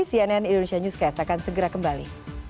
cnn indonesia newscast akan segera kembali